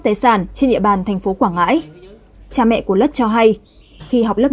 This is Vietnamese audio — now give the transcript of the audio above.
tài sản trên địa bàn thành phố quảng ngãi cha mẹ của lất cho hay khi học lớp